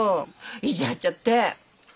意地張っちゃって。